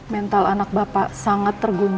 mental anak bapak sangat terguna